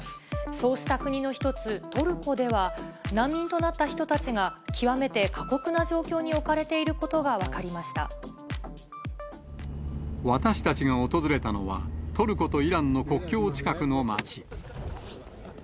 そうした国の一つ、トルコでは、難民となった人たちが極めて過酷な状況に置かれていることが分か私たちが訪れたのは、トルコとイランの国境近くの街。